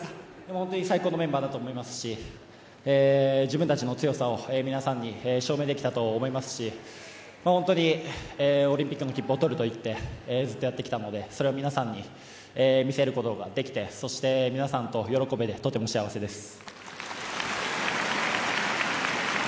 本当に最高のメンバーだと思いますし自分たちの強さを皆さんに証明できたと思いますし本当にオリンピックの切符を取ると言って、やってきたのでそれを皆さんに見せることができてそして皆さんと喜べてとても幸せです。